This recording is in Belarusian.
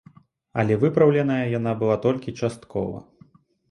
Але выпраўленая яна была толькі часткова.